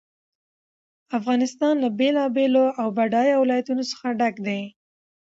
افغانستان له بېلابېلو او بډایه ولایتونو څخه ډک دی.